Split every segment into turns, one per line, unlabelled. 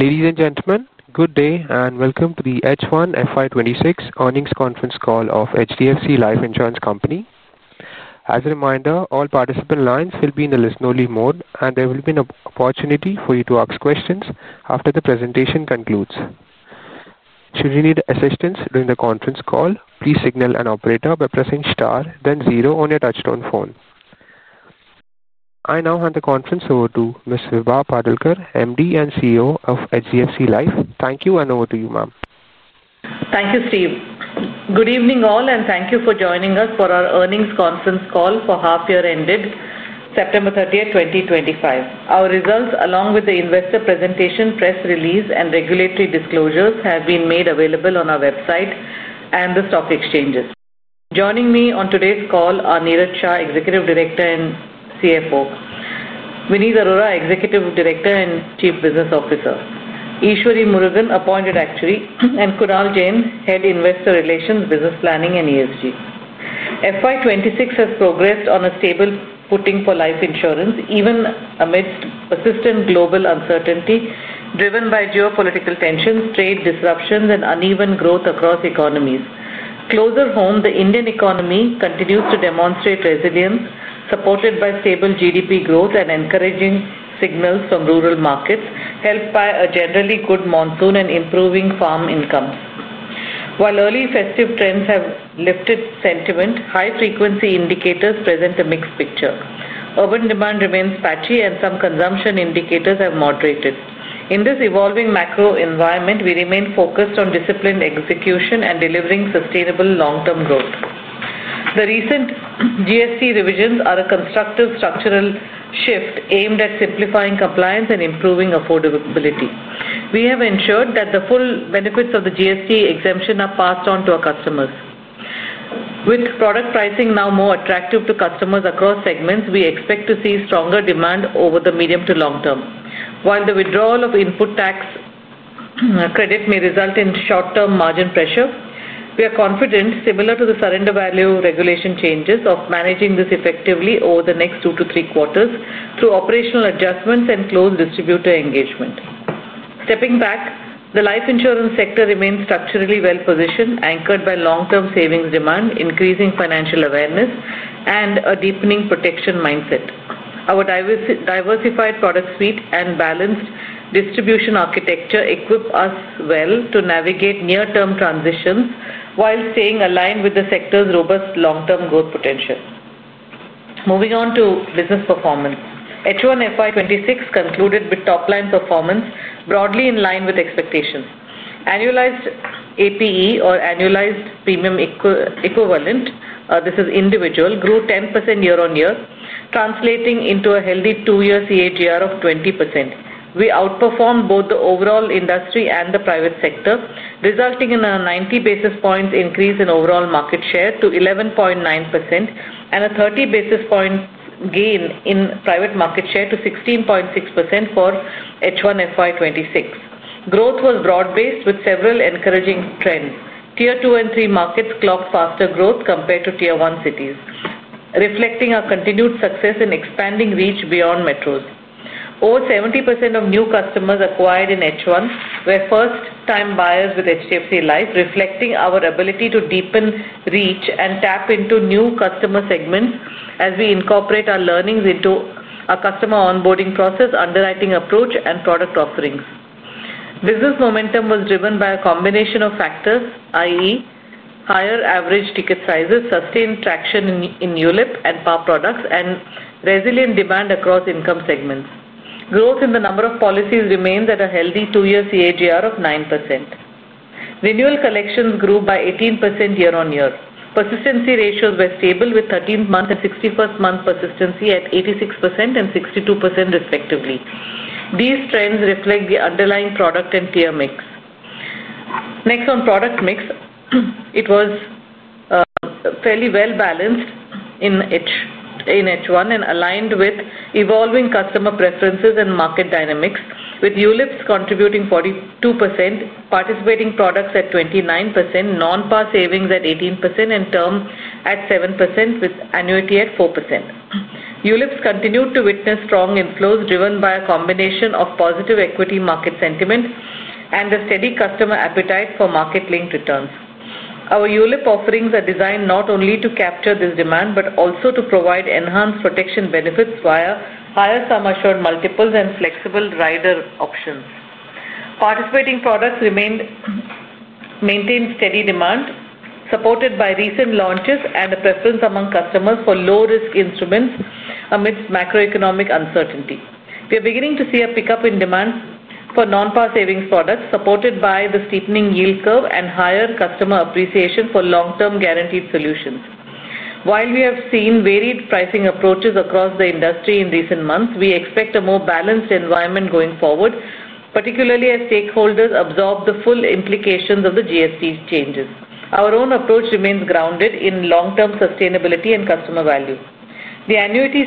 Ladies and gentlemen, good day and welcome to the H1-FY26 Earnings Conference Call of HDFC Life Insurance Company. As a reminder, all participant lines will be in a listen-only mode, and there will be an opportunity for you to ask questions after the presentation concludes. Should you need assistance during the conference call, please signal an operator by pressing star then zero on your touchtone phone. I now hand the conference over to Ms. Vibha Padalkar, MD and CEO of HDFC Life. Thank you and over to you, ma'am.
Thank you, Steve. Good evening all, and thank you for joining us for our earnings conference call for half-year ended September 30, 2025. Our results, along with the investor presentation, press release, and regulatory disclosures, have been made available on our website and the stock exchanges. Joining me on today's call are Niraj Shah, Executive Director and CFO; Vineet Arora, Executive Director and Chief Business Officer; Eshwari Murugan, Appointed Actuary; and Kunal Jain, Head of Investor Relations, Business Planning, and ESG. FY 2026 has progressed on a stable footing for life insurance, even amidst persistent global uncertainty driven by geopolitical tensions, trade disruptions, and uneven growth across economies. Closer home, the Indian economy continues to demonstrate resilience, supported by stable GDP growth and encouraging signals from rural markets, helped by a generally good monsoon and improving farm income. While early festive trends have lifted sentiment, high-frequency indicators present a mixed picture. Urban demand remains patchy, and some consumption indicators have moderated. In this evolving macro environment, we remain focused on disciplined execution and delivering sustainable long-term growth. The recent GST revisions are a constructive structural shift aimed at simplifying compliance and improving affordability. We have ensured that the full benefits of the GST exemption are passed on to our customers. With product pricing now more attractive to customers across segments, we expect to see stronger demand over the medium to long term. While the withdrawal of input tax credit may result in short-term margin pressure, we are confident, similar to the surrender value regulation changes, of managing this effectively over the next two to three quarters through operational adjustments and close distributor engagement. Stepping back, the life insurance sector remains structurally well-positioned, anchored by long-term savings demand, increasing financial awareness, and a deepening protection mindset. Our diversified product suite and balanced distribution architecture equip us well to navigate near-term transitions while staying aligned with the sector's robust long-term growth potential. Moving on to business performance, H1-FY26 concluded with top-line performance, broadly in line with expectations. Annualized APE, or annualized premium equivalent, this is individual, grew 10% year on year, translating into a healthy two-year CAGR of 20%. We outperformed both the overall industry and the private sector, resulting in a 90 basis points increase in overall market share to 11.9% and a 30 basis points gain in private market share to 16.6% for H1-FY26. Growth was broad-based with several encouraging trends. Tier 2 and 3 markets clocked faster growth compared to Tier 1 cities, reflecting our continued success in expanding reach beyond metros. Over 70% of new customers acquired in H1 were first-time buyers with HDFC Life, reflecting our ability to deepen reach and tap into new customer segments as we incorporate our learnings into our customer onboarding process, underwriting approach, and product offerings. Business momentum was driven by a combination of factors, i.e., higher average ticket sizes, sustained traction in ULIP and participating products, and resilient demand across income segments. Growth in the number of policies remains at a healthy two-year CAGR of 9%. Renewal collections grew by 18% year on year. Persistency ratios were stable, with 13th month and 61st month persistency at 86% and 62% respectively. These trends reflect the underlying product and tier mix. Next, on product mix, it was fairly well-balanced in H1 and aligned with evolving customer preferences and market dynamics, with ULIPs contributing 42%, participating products at 29%, non-PAR savings at 18%, and term at 7%, with annuity at 4%. ULIPs continued to witness strong inflows driven by a combination of positive equity market sentiment and a steady customer appetite for market-linked returns. Our ULIP offerings are designed not only to capture this demand but also to provide enhanced protection benefits via higher sum assured multiples and flexible rider options. Participating products maintained steady demand, supported by recent launches and a preference among customers for low-risk instruments amidst macroeconomic uncertainty. We are beginning to see a pickup in demand for non-PAR savings products, supported by the steepening yield curve and higher customer appreciation for long-term guaranteed solutions. While we have seen varied pricing approaches across the industry in recent months, we expect a more balanced environment going forward, particularly as stakeholders absorb the full implications of the GST changes. Our own approach remains grounded in long-term sustainability and customer value. The annuity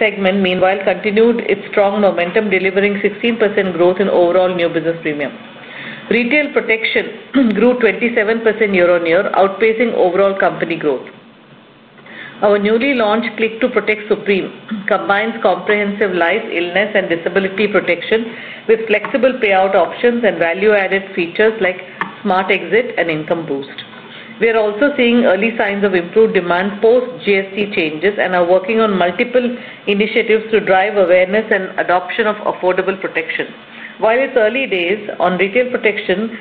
segment, meanwhile, continued its strong momentum, delivering 16% growth in overall new business premium. Retail protection grew 27% year on year, outpacing overall company growth. Our newly launched Click 2 Protect Supreme combines comprehensive life, illness, and disability protection with flexible payout options and value-added features like Smart Exit and Income Boost. We are also seeing early signs of improved demand post-GST changes and are working on multiple initiatives to drive awareness and adoption of affordable protection. While it's early days on retail protection,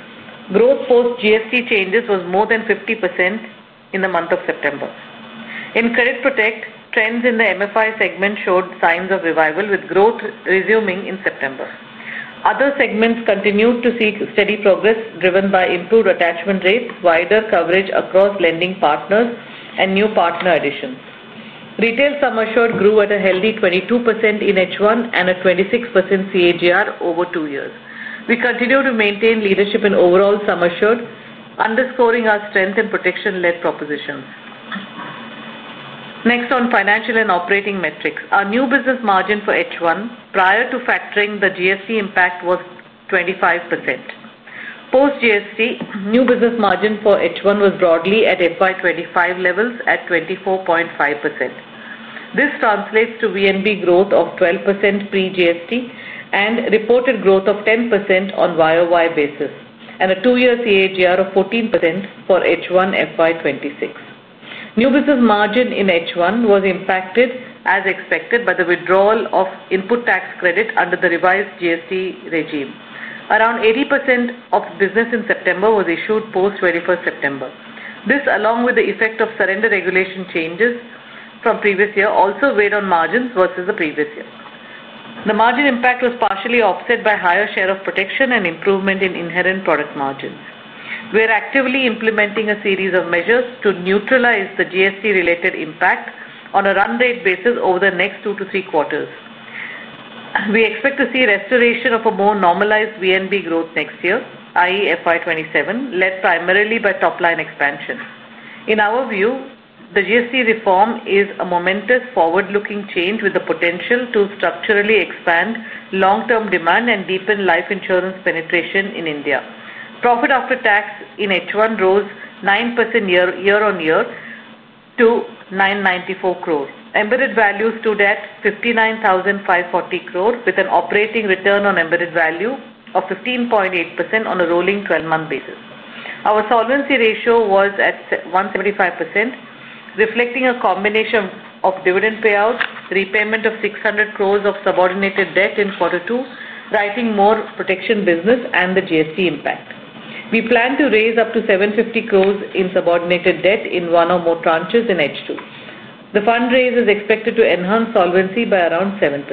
growth post-GST changes was more than 50% in the month of September. In Credit Protect, trends in the MFI segment showed signs of revival, with growth resuming in September. Other segments continued to see steady progress, driven by improved attachment rates, wider coverage across lending partners, and new partner additions. Retail sum assured grew at a healthy 22% in H1 and a 26% CAGR over two years. We continue to maintain leadership in overall sum assured, underscoring our strength in protection-led propositions. Next, on financial and operating metrics, our new business margin for H1, prior to factoring the GST impact, was 25%. Post-GST, new business margin for H1 was broadly at FY 2025 levels at 24.5%. This translates to VNB growth of 12% pre-GST and reported growth of 10% on YoY basis, and a two-year CAGR of 14% for H1-FY26. New business margin in H1 was impacted, as expected, by the withdrawal of input tax credit under the revised GST regime. Around 80% of business in September was issued post-21st September. This, along with the effect of surrender regulation changes from previous year, also weighed on margins versus the previous year. The margin impact was partially offset by a higher share of protection and improvement in inherent product margins. We are actively implementing a series of measures to neutralize the GST-related impact on a run-rate basis over the next two to three quarters. We expect to see restoration of a more normalized VNB growth next year, i.e., FY 2027, led primarily by top-line expansion. In our view, the GST reform is a momentous forward-looking change with the potential to structurally expand long-term demand and deepen life insurance penetration in India. Profit after tax in H1 rose 9% year on year to 994 crore. Embedded value stood at 59,540 crore, with an operating return on embedded value of 15.8% on a rolling 12-month basis. Our solvency ratio was at 175%, reflecting a combination of dividend payouts, repayment of 600 crore of subordinated debt in quarter two, writing more protection business, and the GST impact. We plan to raise up to 750 crore in subordinated debt in one or more tranches in H2. The fundraise is expected to enhance solvency by around 7%.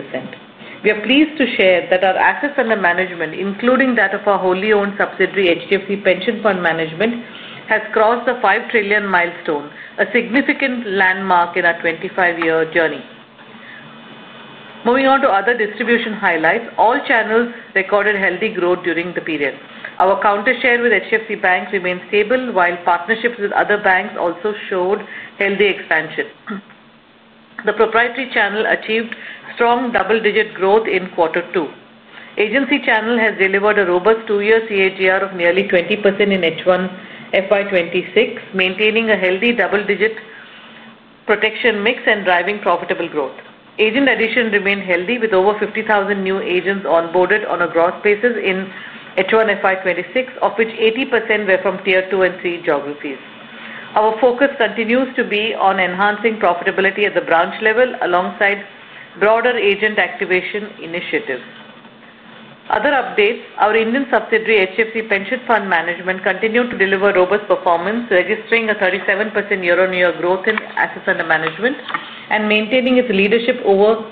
We are pleased to share that our assets under management, including that of our wholly owned subsidiary HDFC Pension Fund Management, has crossed the 5 trillion milestone, a significant landmark in our 25-year journey. Moving on to other distribution highlights, all channels recorded healthy growth during the period. Our counter share with HDFC Bank remains stable, while partnerships with other banks also showed healthy expansion. The proprietary channel achieved strong double-digit growth in quarter two. Agency channel has delivered a robust two-year CAGR of nearly 20% in H1-FY26, maintaining a healthy double-digit protection mix and driving profitable growth. Agent addition remained healthy, with over 50,000 new agents onboarded on a gross basis in H1-FY26, of which 80% were from Tier 2 and 3 geographies. Our focus continues to be on enhancing profitability at the branch level, alongside broader agent activation initiatives. Other updates, our Indian subsidiary HDFC Pension Fund Management continued to deliver robust performance, registering a 37% year-on-year growth in assets under management and maintaining its leadership over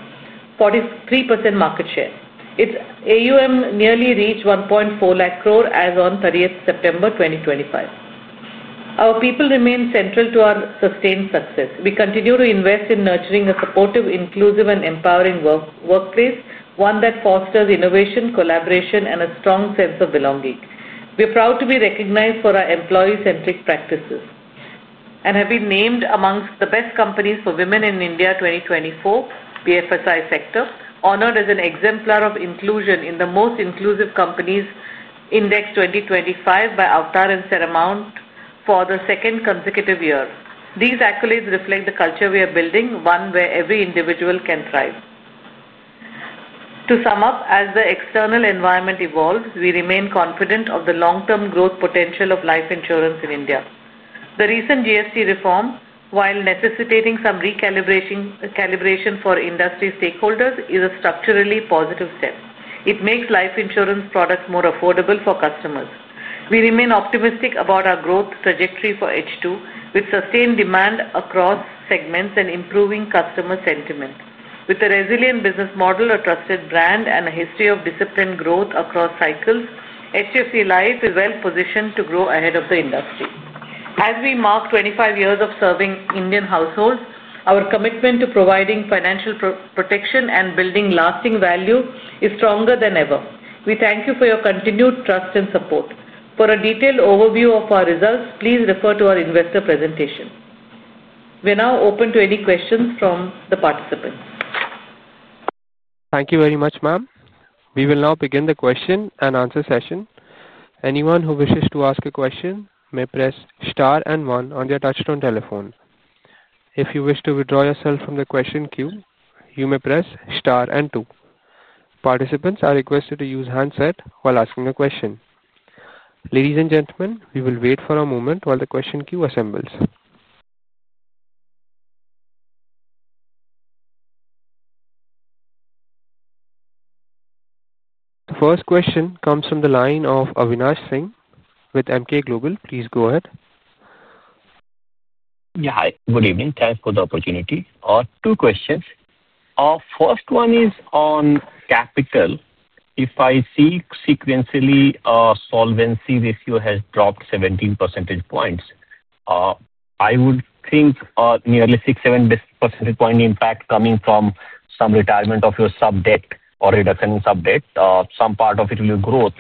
43% market share. Its AUM nearly reached 1.4 lakh crore as on 30th September 2025. Our people remain central to our sustained success. We continue to invest in nurturing a supportive, inclusive, and empowering workplace, one that fosters innovation, collaboration, and a strong sense of belonging. We are proud to be recognized for our employee-centric practices and have been named amongst the best companies for women in India 2024, BFSI sector, honored as an exemplar of inclusion in the Most Inclusive Companies Index 2025 by Avtar and Seramount for the second consecutive year. These accolades reflect the culture we are building, one where every individual can thrive. To sum up, as the external environment evolves, we remain confident of the long-term growth potential of life insurance in India. The recent GST reform, while necessitating some recalibration for industry stakeholders, is a structurally positive step. It makes life insurance products more affordable for customers. We remain optimistic about our growth trajectory for H2, with sustained demand across segments and improving customer sentiment. With a resilient business model, a trusted brand, and a history of disciplined growth across cycles, HDFC Life is well-positioned to grow ahead of the industry. As we mark 25 years of serving Indian households, our commitment to providing financial protection and building lasting value is stronger than ever. We thank you for your continued trust and support. For a detailed overview of our results, please refer to our investor presentation. We are now open to any questions from the participants.
Thank you very much, ma'am. We will now begin the question and answer session. Anyone who wishes to ask a question may press star and one on your touchtone telephone. If you wish to withdraw yourself from the question queue, you may press star and two. Participants are requested to use handsets while asking a question. Ladies and gentlemen, we will wait for a moment while the question queue assembles. The first question comes from the line of Avinash Singh with Emkay Global. Please go ahead.
Yeah, hi. Good evening. Thanks for the opportunity. Two questions. First one is on capital. If I see sequentially, our solvency ratio has dropped 17 percentage points. I would think nearly 6-7 percentage point impact coming from some retirement of your sub debt or reduction in sub debt, some part of it will be growth,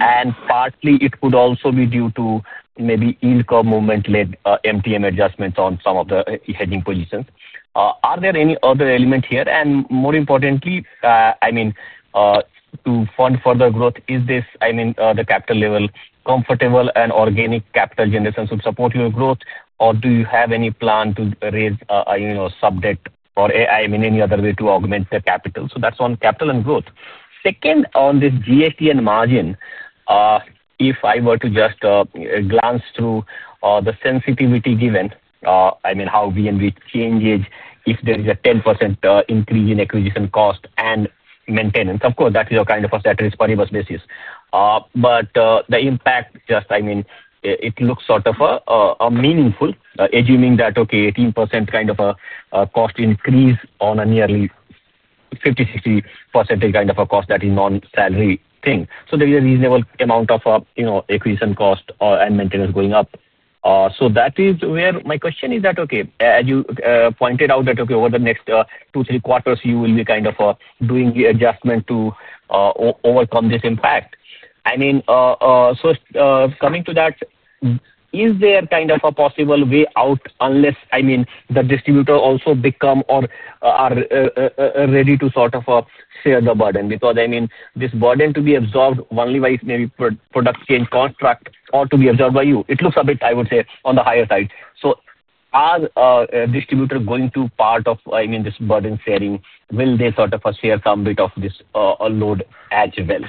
and partly it could also be due to maybe yield curve movement led MTM adjustments on some of the hedging positions. Are there any other elements here? More importantly, to fund further growth, is this, I mean, the capital level comfortable and organic capital generation to support your growth, or do you have any plan to raise a sub debt or any other way to augment the capital? That's on capital and growth. Second, on this GST and margin, if I were to just glance through the sensitivity given, how VNB changes if there is a 10% increase in acquisition cost and maintenance, of course, that is a kind of a satiry sponge basis. The impact just looks sort of meaningful, assuming that 18% kind of a cost increase on a nearly 50%-60% kind of a cost that is non-salary thing. There is a reasonable amount of acquisition cost and maintenance going up. That is where my question is, as you pointed out that over the next two, three quarters, you will be kind of doing the adjustment to overcome this impact. Coming to that, is there kind of a possible way out unless the distributor also becomes or is ready to sort of share the burden? This burden to be absorbed only by maybe product change construct or to be absorbed by you, it looks a bit, I would say, on the higher side. Are distributors going to be part of this burden sharing? Will they sort of share some bit of this load as well?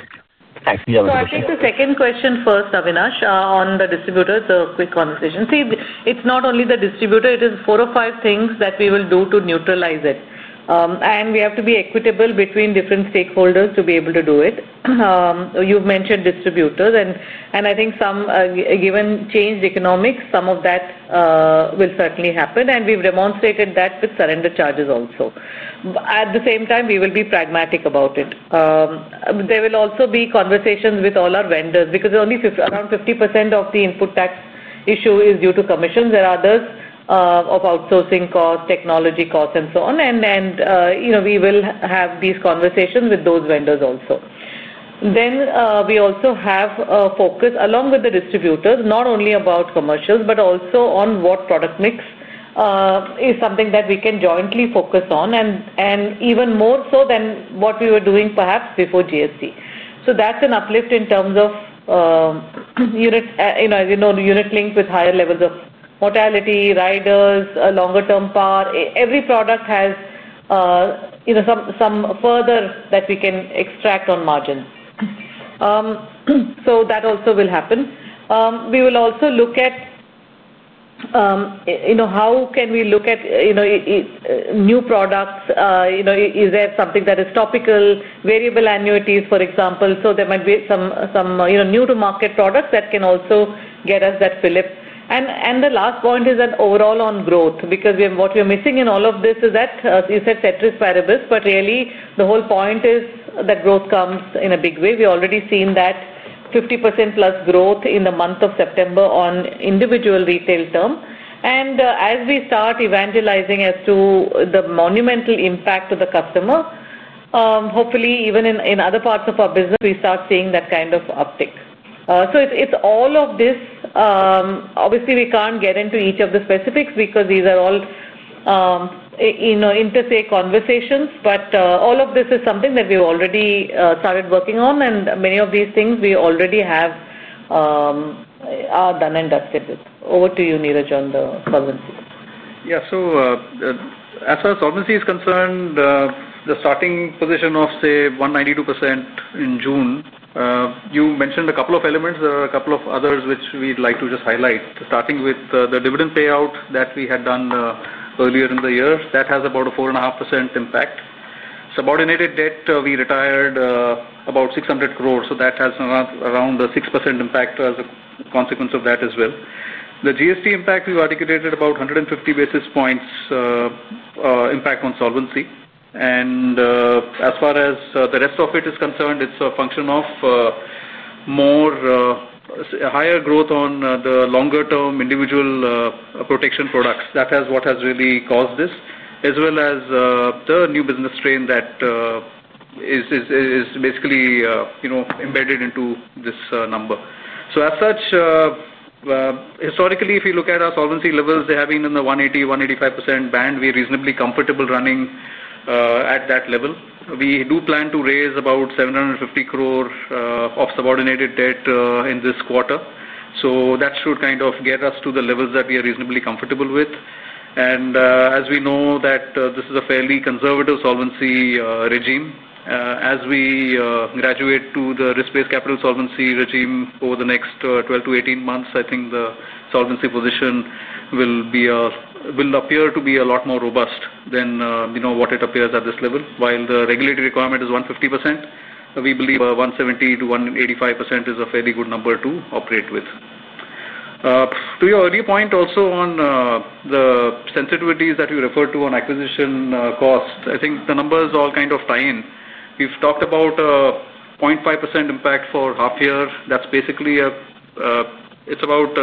Thanks.
I think the second question first, Avinash, on the distributors, a quick conversation. See, it's not only the distributor. It is four or five things that we will do to neutralize it. We have to be equitable between different stakeholders to be able to do it. You've mentioned distributors, and I think some, given changed economics, some of that will certainly happen. We've demonstrated that with surrender charges also. At the same time, we will be pragmatic about it. There will also be conversations with all our vendors because only around 50% of the input tax issue is due to commissions. There are others of outsourcing costs, technology costs, and so on. We will have these conversations with those vendors also. We also have a focus, along with the distributors, not only about commercials, but also on what product mix is something that we can jointly focus on and even more so than what we were doing perhaps before GST. That's an uplift in terms of, you know, as you know, unit-linked with higher levels of mortality, riders, longer-term participating policies. Every product has, you know, some further that we can extract on margins. That also will happen. We will also look at, you know, how can we look at, you know, new products? You know, is there something that is topical, variable annuities, for example? There might be some, you know, new-to-market products that can also get us that fill-up. The last point is that overall on growth, because what we are missing in all of this is that, as you said, satiry sponge based, but really, the whole point is that growth comes in a big way. We've already seen that 50%+ growth in the month of September on individual retail term. As we start evangelizing as to the monumental impact to the customer, hopefully, even in other parts of our business, we start seeing that kind of uptake. It's all of this. Obviously, we can't get into each of the specifics because these are all interstate conversations. All of this is something that we've already started working on, and many of these things we already have done and dusted with. Over to you, Niraj, on the solvency.
Yeah. As far as solvency is concerned, the starting position of, say, 192% in June, you mentioned a couple of elements. There are a couple of others which we'd like to just highlight, starting with the dividend payout that we had done earlier in the year. That has about a 4.5% impact. Subordinated debt, we retired about 600 crore. That has around a 6% impact as a consequence of that as well. The GST impact, we've articulated about 150 basis points impact on solvency. As far as the rest of it is concerned, it's a function of more higher growth on the longer-term individual protection products. That has what has really caused this, as well as the new business strain that is basically, you know, embedded into this number. Historically, if you look at our solvency levels, they have been in the 180%, 185% band. We're reasonably comfortable running at that level. We do plan to raise about 750 crore of subordinated debt in this quarter. That should kind of get us to the levels that we are reasonably comfortable with. As we know, this is a fairly conservative solvency regime. As we graduate to the risk-based capital solvency regime over the next 12 to 18 months, I think the solvency position will appear to be a lot more robust than, you know, what it appears at this level. While the regulatory requirement is 150%, we believe 170%-185% is a fairly good number to operate with. To your earlier point, also on the sensitivities that you referred to on acquisition costs, I think the numbers all kind of tie in. We've talked about a 0.5% impact for half-year. That's basically a, it's about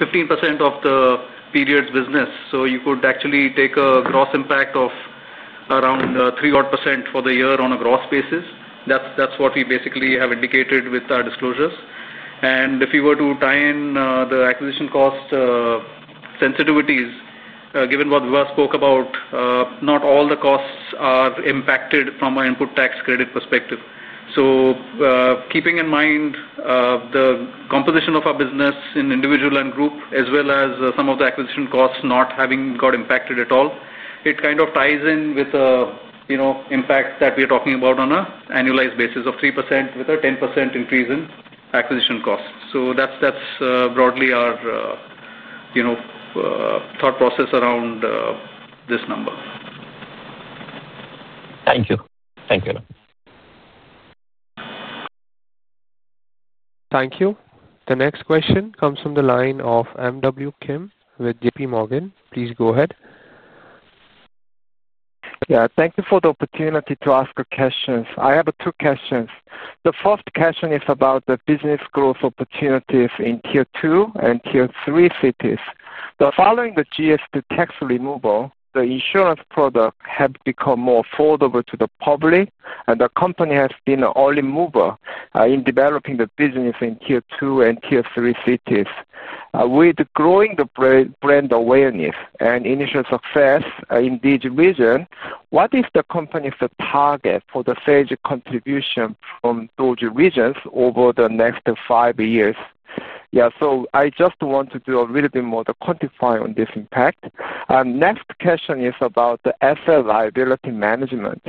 15% of the period's business. You could actually take a gross impact of around 3% for the year on a gross basis. That's what we basically have indicated with our disclosures. If you were to tie in the acquisition cost sensitivities, given what Vibha spoke about, not all the costs are impacted from an input tax credit perspective. Keeping in mind the composition of our business in individual and group, as well as some of the acquisition costs not having got impacted at all, it kind of ties in with the impact that we are talking about on an annualized basis of 3% with a 10% increase in acquisition costs. That's broadly our, you know, thought process around this number.
Thank you. Thank you.
Thank you. The next question comes from the line of MW Kim with JPMorgan. Please go ahead.
Yeah. Thank you for the opportunity to ask a question. I have two questions. The first question is about the business growth opportunities in Tier 2 and Tier 3 cities. Following the GST tax removal, the insurance product has become more affordable to the public, and the company has been an early mover in developing the business in Tier 2 and Tier 3 cities. With growing brand awareness and initial success in these regions, what is the company's target for the sales contribution from those regions over the next five years? Yeah. I just want to do a little bit more to quantify this impact. The next question is about the asset liability management.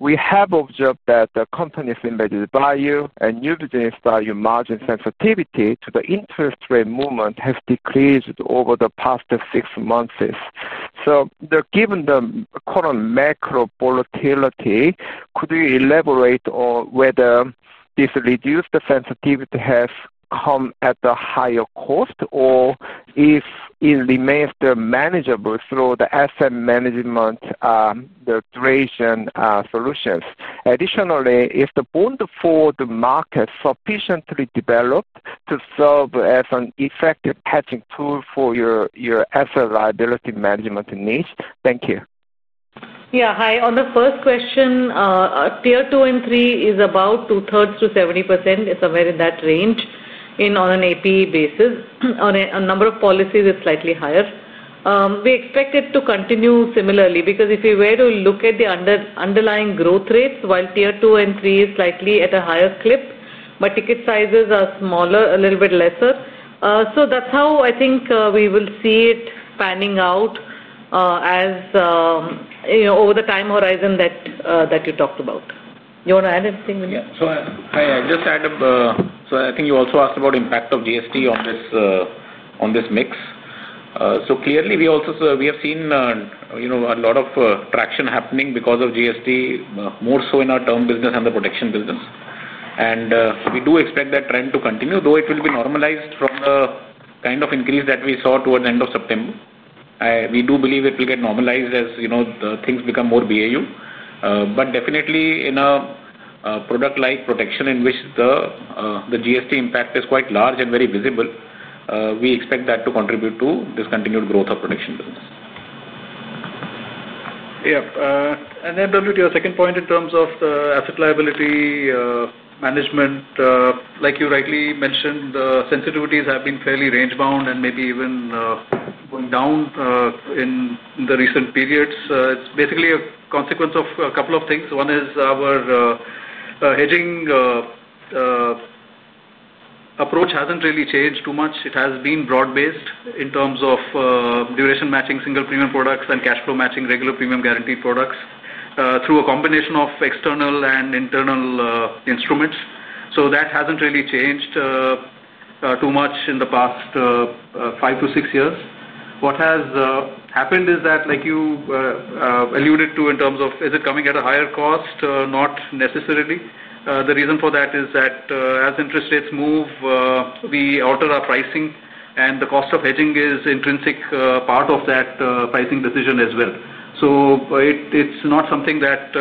We have observed that the company's embedded value and new business margin sensitivity to the interest rate movement has decreased over the past six months. Given the current macro volatility, could you elaborate on whether this reduced sensitivity has come at a higher cost or if it remains manageable through the asset management duration solutions? Additionally, is the bond market sufficiently developed to serve as an effective hedging tool for your asset liability management needs? Thank you.
Yeah. Hi. On the first question, Tier 2 and 3 is about two-thirds to 70%. It's somewhere in that range on an APE basis. On a number of policies, it's slightly higher. We expect it to continue similarly because if you were to look at the underlying growth rates, while Tier 2 and 3 is slightly at a higher clip, ticket sizes are smaller, a little bit lesser. That's how I think we will see it panning out over the time horizon that you talked about. You want to add anything, Vineet?
Yeah. Hi. I just add, I think you also asked about the impact of GST on this mix. Clearly, we also have seen a lot of traction happening because of GST, more so in our term business and the protection business. We do expect that trend to continue, though it will be normalized from the kind of increase that we saw towards the end of September. We do believe it will get normalized as things become more BAU. Definitely, in a product like protection in which the GST impact is quite large and very visible, we expect that to contribute to this continued growth of protection business.
To your second point in terms of the asset liability management, like you rightly mentioned, the sensitivities have been fairly range-bound and maybe even going down in the recent periods. It is basically a consequence of a couple of things. One is our hedging approach has not really changed too much. It has been broad-based in terms of duration matching single premium products and cash flow matching regular premium guaranteed products through a combination of external and internal instruments. That has not really changed too much in the past five to six years. What has happened is that, like you alluded to, in terms of is it coming at a higher cost? Not necessarily. The reason for that is that as interest rates move, we alter our pricing, and the cost of hedging is an intrinsic part of that pricing decision as well. It is not something that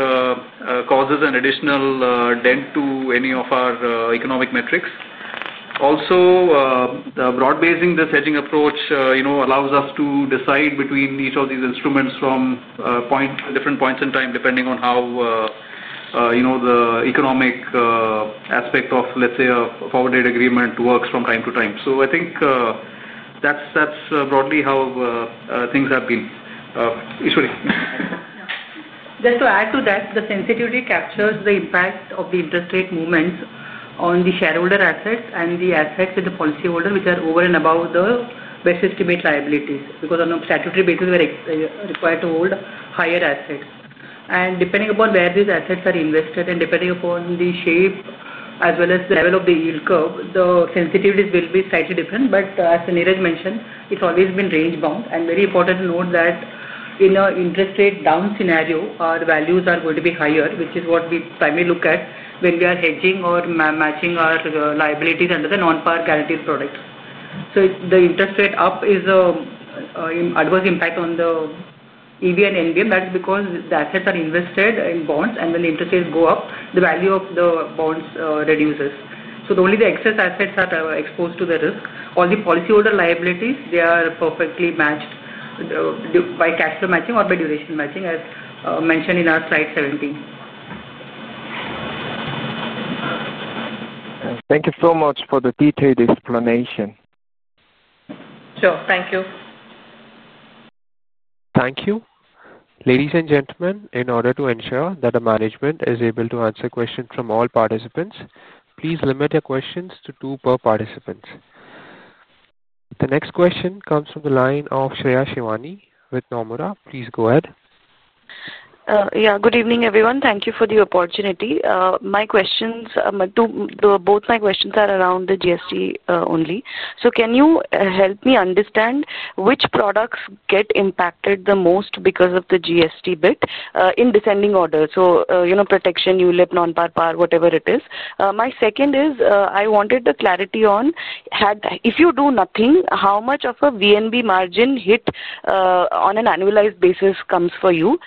causes an additional dent to any of our economic metrics. Also, broad-basing this hedging approach allows us to decide between each of these instruments from different points in time, depending on how the economic aspect of, let's say, a forward date agreement works from time to time. I think that is broadly how things have been.
Just to add to that, the sensitivity captures the impact of the interest rate movements on the shareholder assets and the assets in the policyholder, which are over and above the best estimate liabilities because on a statutory basis, we're required to hold higher assets. Depending upon where these assets are invested and depending upon the shape as well as the level of the yield curve, the sensitivities will be slightly different. As Niraj mentioned, it's always been range-bound. It is very important to note that in an interest rate down scenario, our values are going to be higher, which is what we primarily look at when we are hedging or matching our liabilities under the non-PAR guaranteed products. The interest rate up is an adverse impact on the embedded value and new business margin. That's because the assets are invested in bonds, and when the interest rates go up, the value of the bonds reduces. Only the excess assets are exposed to the risk. All the policyholder liabilities, they are perfectly matched by cash flow matching or by duration matching, as mentioned in our slide 17.
Thank you so much for the detailed explanation.
Sure. Thank you.
Thank you. Ladies and gentlemen, in order to ensure that the management is able to answer questions from all participants, please limit your questions to two per participant. The next question comes from the line of Shreya Shivani with Nomura. Please go ahead.
Good evening, everyone. Thank you for the opportunity. My questions, both my questions are around the GST only. Can you help me understand which products get impacted the most because of the GST bit in descending order? Protection, ULIP, non-PAR, whatever it is. My second is I wanted the clarity on, if you do nothing, how much of a VNB margin hit on an annualized basis comes for you?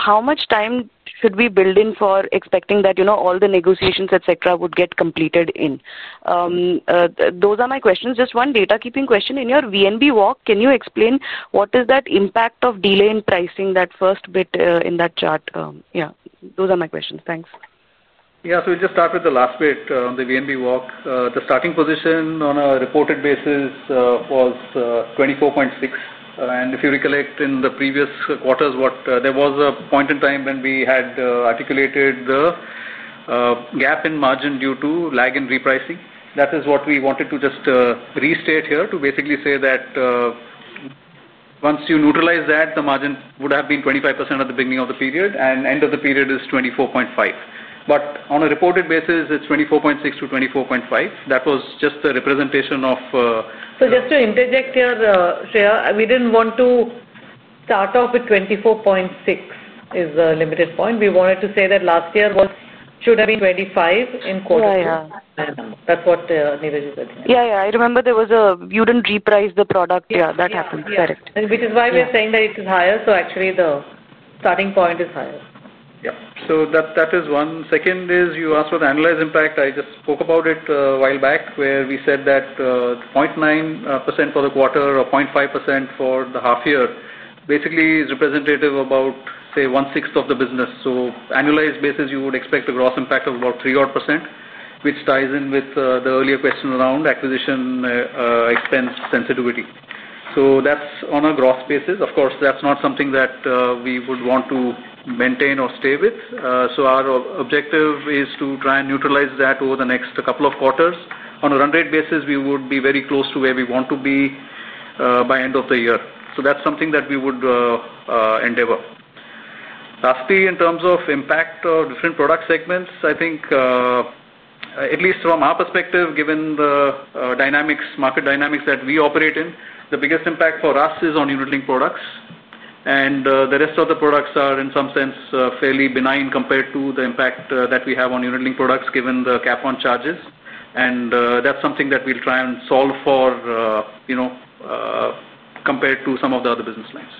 How much time should we build in for expecting that all the negotiations, etc., would get completed in? Those are my questions. Just one data keeping question. In your VNB walk, can you explain what is that impact of delay in pricing, that first bit in that chart? Those are my questions. Thanks.
Yeah. We'll just start with the last bit on the VNB walk. The starting position on a reported basis was 24.6%. If you recollect, in the previous quarters, there was a point in time when we had articulated the gap in margin due to lag in repricing. That is what we wanted to just restate here, to basically say that once you neutralize that, the margin would have been 25% at the beginning of the period, and end of the period is 24.5%. On a reported basis, it's 24.6% to 24.5%. That was just the representation of.
Just to interject here, Shreya, we didn't want to start off with 24.6% as a limited point. We wanted to say that last year should have been 25% in quarter two. That's what Niraj is saying.
Yeah, I remember you didn't reprice the product. That happened, correct.
Which is why we're saying that it is higher. Actually, the starting point is higher.
Yeah. That is one. Second is you asked for the annualized impact. I just spoke about it a while back where we said that 0.9% for the quarter or 0.5% for the half-year basically is representative of about, say, one-sixth of the business. On an annualized basis, you would expect a gross impact of about 3% odd, which ties in with the earlier question around acquisition expense sensitivity. That is on a gross basis. Of course, that's not something that we would want to maintain or stay with. Our objective is to try and neutralize that over the next couple of quarters. On a run-rate basis, we would be very close to where we want to be by end of the year. That is something that we would endeavor. Lastly, in terms of impact on different product segments, I think at least from our perspective, given the market dynamics that we operate in, the biggest impact for us is on unit-linked products. The rest of the products are, in some sense, fairly benign compared to the impact that we have on unit-linked products given the cap on charges. That is something that we'll try and solve for, you know, compared to some of the other business lines.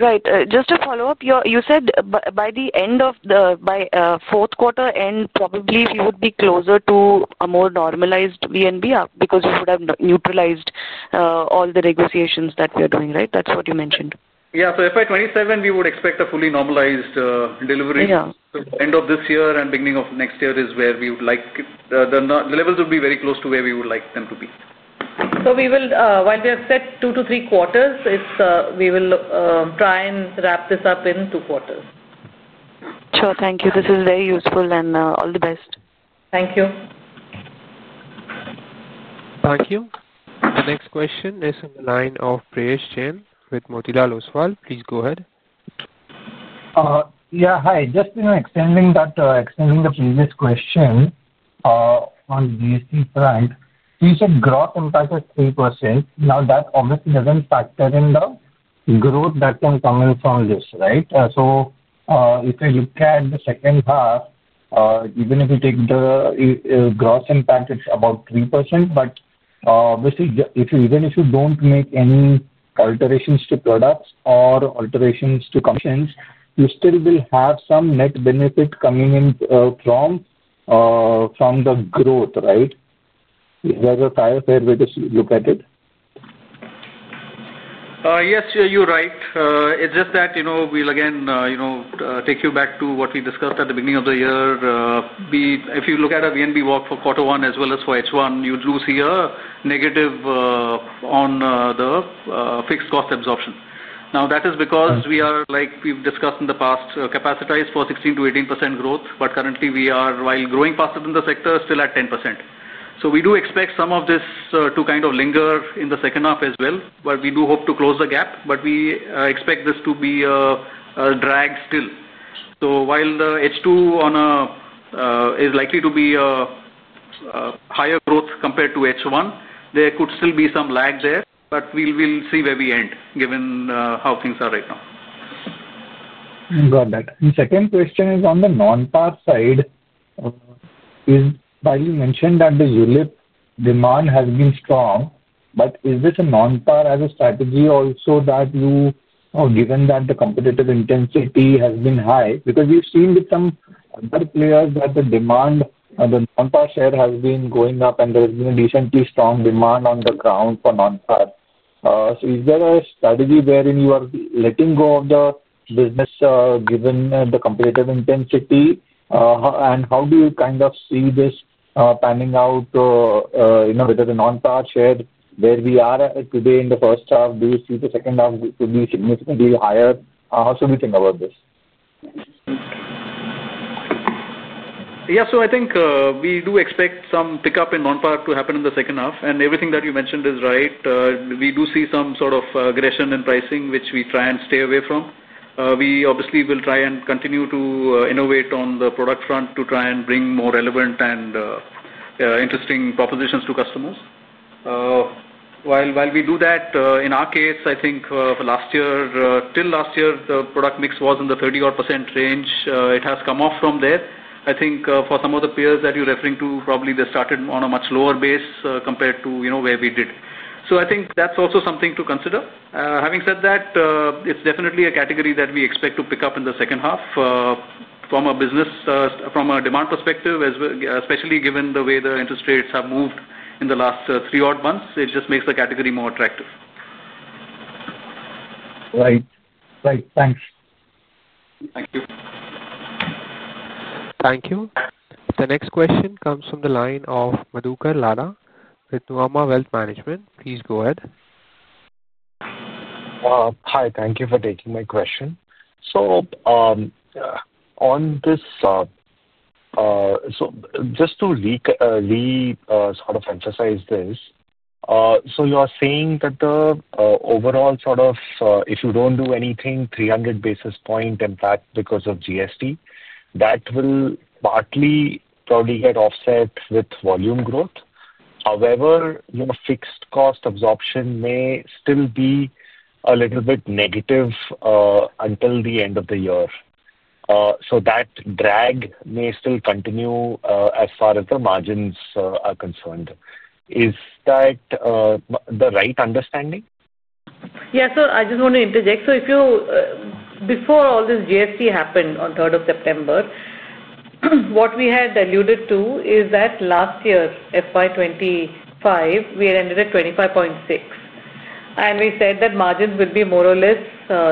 Right. Just to follow up, you said by the end of the fourth quarter, end probably we would be closer to a more normalized VNB because you would have neutralized all the negotiations that we are doing, right? That's what you mentioned.
Yeah. FY 2027, we would expect a fully normalized delivery. The end of this year and beginning of next year is where we would like the levels to be very close to where we would like them to be.
While we have set two to three quarters, we will try and wrap this up in two quarters.
Sure. Thank you. This is very useful and all the best.
Thank you.
Thank you. The next question is on the line of Prayesh Jain with Motilal Oswal. Please go ahead.
Yeah. Hi. Just in extending that, extending the previous question on the GST front, you said gross impact was 3%. That obviously doesn't factor in the growth that can come in from this, right? If I look at the second half, even if you take the gross impact, it's about 3%. Obviously, even if you don't make any alterations to products or alterations to commissions, you still will have some net benefit coming in from the growth, right? Is that a fair way to look at it?
Yes, you're right. We'll take you back to what we discussed at the beginning of the year. If you look at a VNB walk for quarter one as well as for H1, you do see a negative on the fixed cost absorption. That is because we are, like we've discussed in the past, capacitized for 16% to 18% growth. Currently, we are, while growing faster than the sector, still at 10%. We do expect some of this to kind of linger in the second half as well. We do hope to close the gap. We expect this to be a drag still. While H2 is likely to be a higher growth compared to H1, there could still be some lag there. We will see where we end given how things are right now.
Got that. The second question is on the non-PAR side. While you mentioned that the ULIP demand has been strong, is this a non-PAR as a strategy also, given that the competitive intensity has been high? We have seen with some other players that the demand of the non-PAR share has been going up, and there has been a decently strong demand on the ground for non-PAR. Is there a strategy wherein you are letting go of the business given the competitive intensity? How do you kind of see this panning out with the non-PAR share where we are today in the first half? Do you see the second half to be significantly higher? How should we think about this?
Yeah. I think we do expect some pickup in non-PAR to happen in the second half. Everything that you mentioned is right. We do see some sort of aggression in pricing, which we try and stay away from. We obviously will try and continue to innovate on the product front to try and bring more relevant and interesting propositions to customers. While we do that, in our case, I think for last year, till last year, the product mix was in the 30% odd range. It has come off from there. I think for some of the peers that you're referring to, probably they started on a much lower base compared to where we did. That's also something to consider. Having said that, it's definitely a category that we expect to pick up in the second half from a business, from a demand perspective, especially given the way the interest rates have moved in the last three months. It just makes the category more attractive.
Right. Right. Thanks.
Thank you. The next question comes from the line of Madhukar Ladha with Nuvama Wealth Management. Please go ahead.
Hi. Thank you for taking my question. Just to re-emphasize this, you are saying that the overall, if you don't do anything, 300 basis point impact because of GST, that will partly probably get offset with volume growth. However, fixed cost absorption may still be a little bit negative until the end of the year. That drag may still continue as far as the margins are concerned. Is that the right understanding?
Yeah. I just want to interject. If you, before all this GST happened on 3rd of September, what we had alluded to is that last year, FY 2025, we had ended at 25.6%. We said that margins will be more or less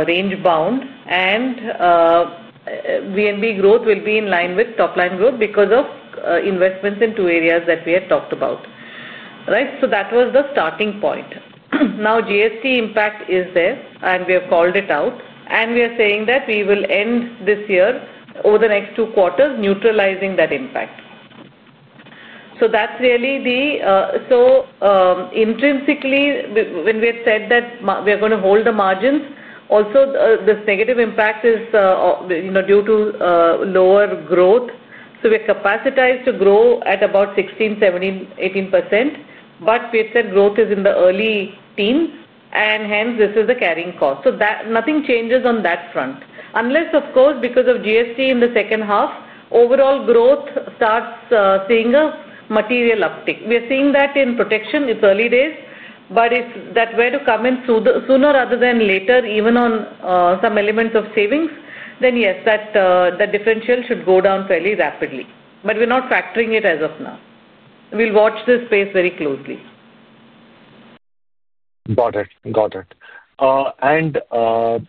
range-bound, and VNB growth will be in line with top-line growth because of investments in two areas that we had talked about, right? That was the starting point. Now, GST impact is there, and we have called it out. We are saying that we will end this year over the next two quarters, neutralizing that impact. That's really the, so intrinsically, when we had said that we are going to hold the margins, also this negative impact is due to lower growth. We are capacitized to grow at about 16%, 17%, 18%. We had said growth is in the early teens, and hence this is the carrying cost. Nothing changes on that front. Unless, of course, because of GST in the second half, overall growth starts seeing a material uptake. We are seeing that in protection. It's early days. If that were to come in sooner rather than later, even on some elements of savings, then yes, the differential should go down fairly rapidly. We're not factoring it as of now. We'll watch this space very closely.
Got it. I also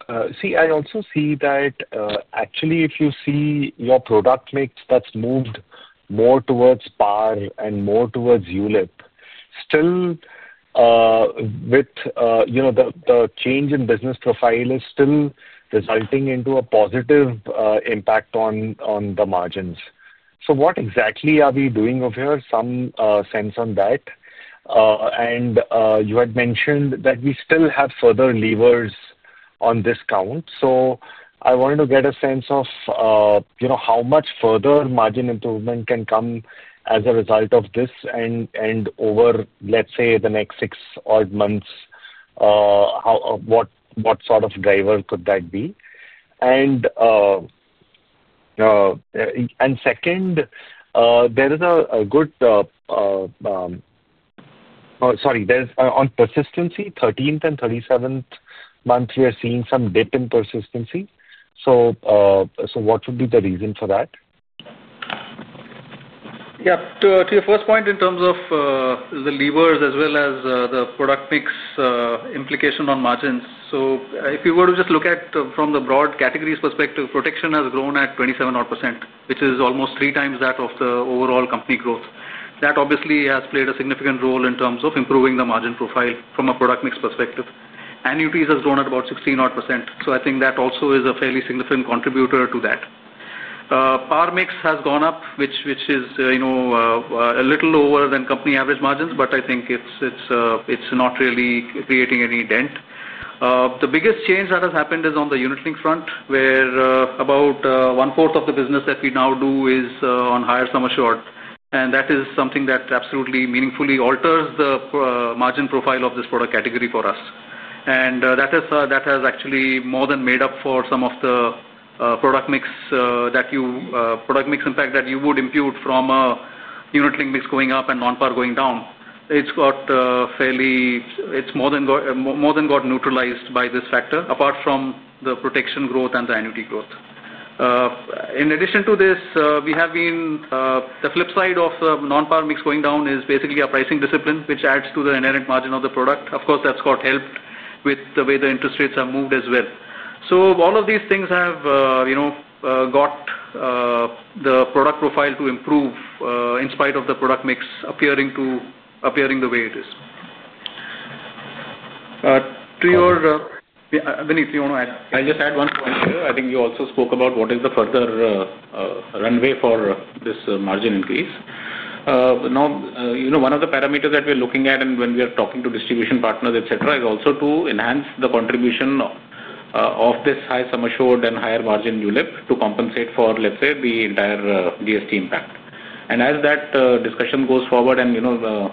see that actually, if you see your product mix, that's moved more towards par and more towards ULIP, with the change in business profile still resulting in a positive impact on the margins. What exactly are we doing over here? Some sense on that. You had mentioned that we still have further levers on this count. I wanted to get a sense of how much further margin improvement can come as a result of this. Over, let's say, the next six odd months, what sort of driver could that be? Second, on persistency, 13th and 37th month, we are seeing some dip in persistency. What would be the reason for that?
Yeah. To your first point in terms of the levers as well as the product mix implication on margins, if you were to just look at it from the broad categories perspective, protection has grown at 27% which is almost 3x that of the overall company growth. That obviously has played a significant role in terms of improving the margin profile from a product mix perspective. Annuities has grown at about 16% so I think that also is a fairly significant contributor to that. PAR mix has gone up, which is, you know, a little lower than company average margins, but I think it's not really creating any dent. The biggest change that has happened is on the unit-linked front, where about one-fourth of the business that we now do is on higher sum assured. That is something that absolutely meaningfully alters the margin profile of this product category for us. That has actually more than made up for some of the product mix that you would impute from a unit-linked mix going up and non-PAR going down. It's more than got neutralized by this factor, apart from the protection growth and the annuity growth. In addition to this, the flip side of the non-PAR mix going down is basically a pricing discipline, which adds to the inherent margin of the product. Of course, that's got helped with the way the interest rates have moved as well. All of these things have got the product profile to improve in spite of the product mix appearing the way it is. To your, Vineet, do you want to add?
I'll just add one point here. I think you also spoke about what is the further runway for this margin increase. Now, one of the parameters that we're looking at when we are talking to distribution partners, etc., is also to enhance the contribution of this high sum assured and higher margin ULIP to compensate for, let's say, the entire GST impact. As that discussion goes forward and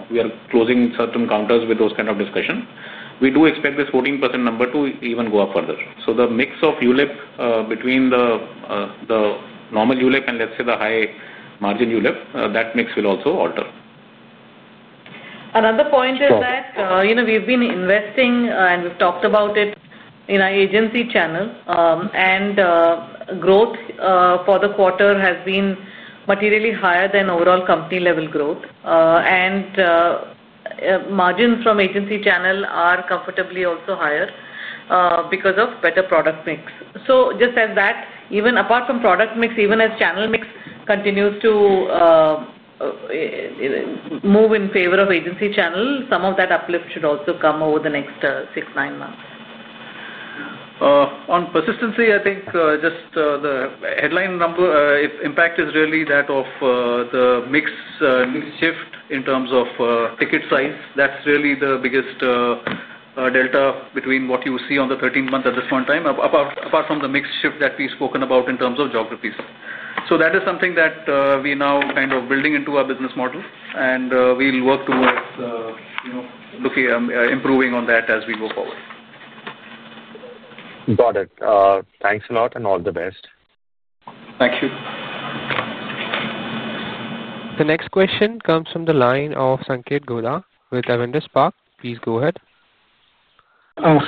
we are closing certain counters with those kind of discussions, we do expect this 14% number to even go up further. The mix of ULIP between the normal ULIP and, let's say, the high margin ULIP, that mix will also alter.
Another point is that, you know, we've been investing and we've talked about it in our agency channel. Growth for the quarter has been materially higher than overall company-level growth, and margins from agency channel are comfortably also higher because of better product mix. Just as that, even apart from product mix, even as channel mix continues to move in favor of agency channel, some of that uplift should also come over the next six, nine months.
On persistency, I think just the headline number impact is really that of the mix shift in terms of ticket size. That's really the biggest delta between what you see on the 13th month at this point in time, apart from the mix shift that we've spoken about in terms of geographies. That is something that we now kind of are building into our business model, and we'll work towards looking at improving on that as we go forward.
Got it. Thanks a lot and all the best.
Thank you.
The next question comes from the line of Sanketh Godha with Avendus Spark. Please go ahead.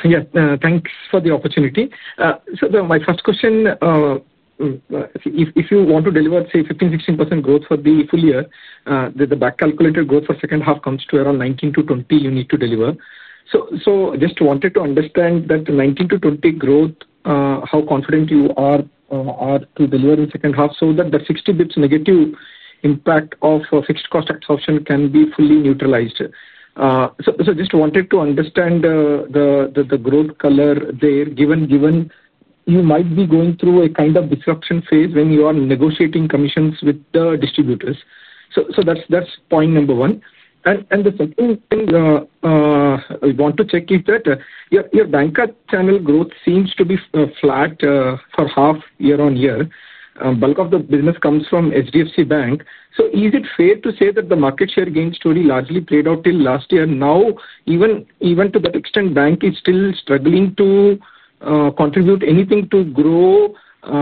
Yeah. Thanks for the opportunity. My first question, if you want to deliver, say, 15%-16% growth for the full year, the back-calculated growth for the second half comes to around 19%-20% you need to deliver. I just wanted to understand that the 19%-20% growth, how confident you are to deliver in the second half so that the 60 bps negative impact of fixed cost absorption can be fully neutralized. I just wanted to understand the growth color there, given you might be going through a kind of disruption phase when you are negotiating commissions with the distributors. That's point number one. The second thing we want to check is that your bank channel growth seems to be flat for half year on year. Bulk of the business comes from HDFC Bank. Is it fair to say that the market share gains story largely played out till last year? Now, even to that extent, bank is still struggling to contribute anything to grow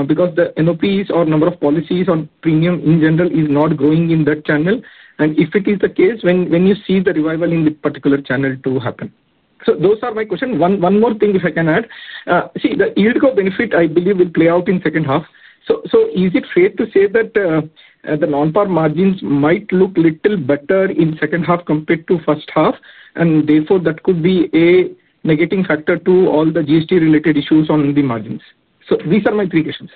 because the NOPs or number of policies on premium in general is not growing in that channel. If it is the case, when do you see the revival in this particular channel to happen? Those are my questions. One more thing, if I can add. The yield curve benefit, I believe, will play out in the second half. Is it fair to say that the non-PAR savings margins might look a little better in the second half compared to the first half? Therefore, that could be a negating factor to all the GST-related issues on the margins. These are my three questions.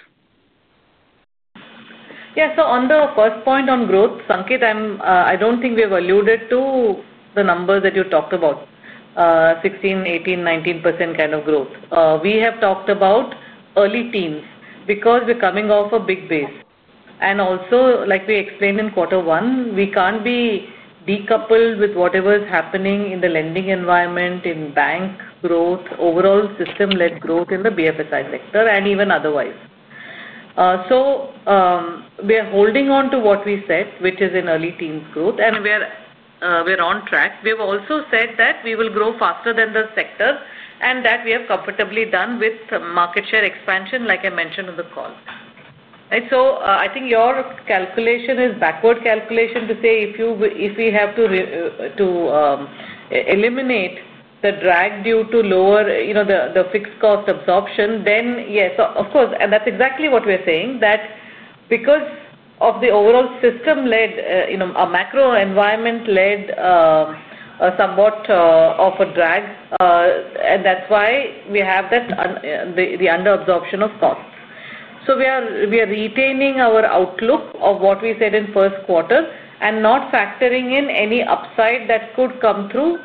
Yeah. On the first point on growth, Sanketh, I don't think we have alluded to the numbers that you talked about, 16%, 18%, 19% kind of growth. We have talked about early teens because we're coming off a big base. Also, like we explained in quarter one, we can't be decoupled with whatever is happening in the lending environment, in bank growth, overall system-led growth in the BFSI sector, and even otherwise. We are holding on to what we said, which is in early teens growth, and we're on track. We have also said that we will grow faster than the sector and that we have comfortably done with market share expansion, like I mentioned on the call. Right? I think your calculation is backward calculation to say if we have to eliminate the drag due to lower, you know, the fixed cost absorption, then yes, of course. That's exactly what we're saying, that because of the overall system-led, you know, a macro environment-led somewhat of a drag. That's why we have that under-absorption of costs. We are retaining our outlook of what we said in the first quarter and not factoring in any upside that could come through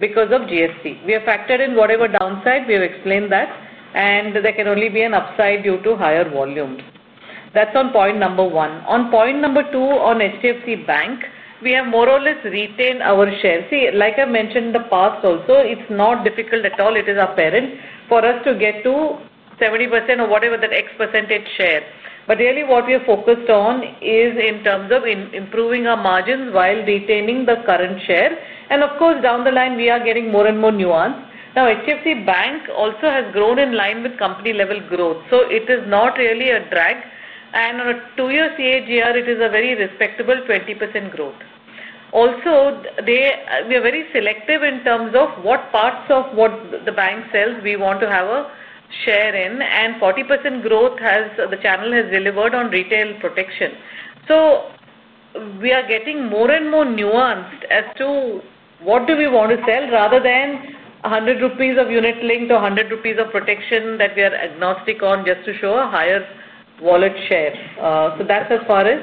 because of GST. We have factored in whatever downside. We have explained that. There can only be an upside due to higher volumes. That's on point number one. On point number two, on HDFC Bank, we have more or less retained our share. See, like I mentioned in the past also, it's not difficult at all. It is apparent for us to get to 70% or whatever that X percentage share. What we are focused on is in terms of improving our margins while retaining the current share. Of course, down the line, we are getting more and more nuanced. Now, HDFC Bank also has grown in line with company-level growth. It is not really a drag. On a two-year CAGR, it is a very respectable 20% growth. Also, we are very selective in terms of what parts of what the bank sells we want to have a share in. 40% growth has the channel has delivered on retail protection. We are getting more and more nuanced as to what do we want to sell rather than 100 rupees of unit linked or 100 rupees of protection that we are agnostic on just to show a higher wallet share. That's as far as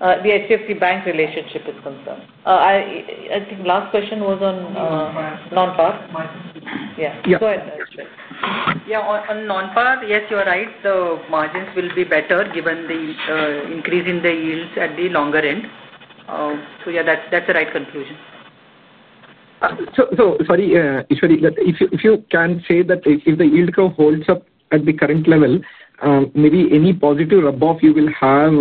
the HDFC Bank relationship is concerned. I think the last question was on non-PAR. Yeah. Go ahead. Yeah. On non-PAR, yes, you are right. The margins will be better given the increase in the yields at the longer end. Yeah, that's the right conclusion.
Sorry, if you can say that if the yield curve holds up at the current level, maybe any positive rub-off you will have